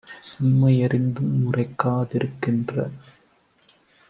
உண்மை யறிந்தும் உரைக்கா திருக்கின்ற